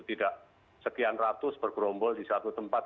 tidak sekian ratus bergerombol di satu tempat